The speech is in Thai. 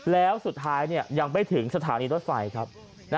แล้วสุดท้ายยังไม่ถึงสถานีรถไฟครับ